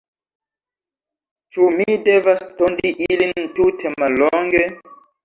Ĉu mi devas tondi ilin tute mallonge?